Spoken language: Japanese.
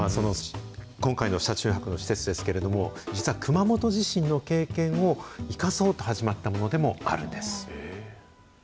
今回の車中泊の施設ですけれども、実は熊本地震の経験を生かそうと始まったものでもあるんです。